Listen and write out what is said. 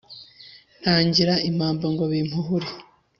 Ntangira impamba ngo bimpuhure.